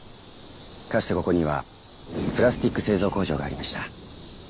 かつてここにはプラスチック製造工場がありました。